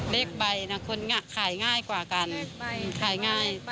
เล็กใบขายง่ายกว่ากัน